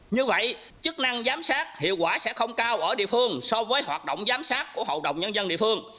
như vậy chức năng giám sát hiệu quả sẽ không cao ở địa phương so với hoạt động giám sát của hậu đồng nhân dân địa phương